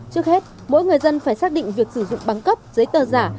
trước hết mỗi người dân phải xác định việc sử dụng băng cấp giấy tờ giả